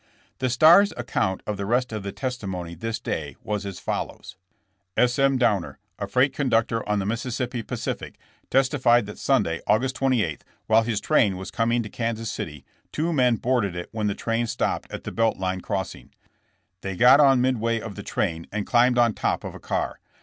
The Star's account of the rest of the testimony this day was as follows: *'S. M. Downer, a freight conductor on the Mis souri Pacific, testified that Sunday, August 28, while his train was coming to Kansas City two men boarded it when the train stopped at the Belt Line crossing. They got on midway of the train and climbed on top of a car.